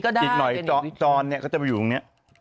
จอนเนี้ยก็จะไปอยู่ตรงเนี้ย